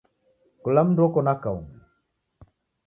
Kula mndu oko na kaung'a.